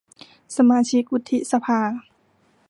สมาชิกวุฒิสภา